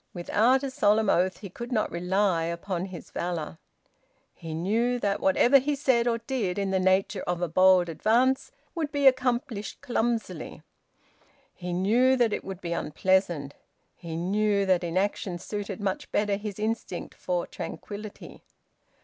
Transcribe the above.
Without a solemn oath he could not rely upon his valour. He knew that whatever he said or did in the nature of a bold advance would be accomplished clumsily. He knew that it would be unpleasant. He knew that inaction suited much better his instinct for tranquillity.